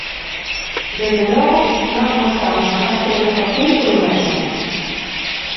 Dende logo, nós mostramos a nosa preocupación polo mesmo.